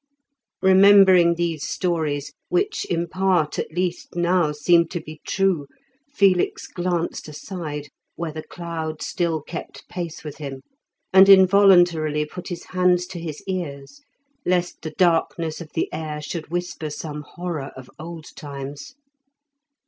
Remembering these stories, which in part, at least, now seemed to be true, Felix glanced aside, where the cloud still kept pace with him, and involuntarily put his hands to his ears lest the darkness of the air should whisper some horror of old times.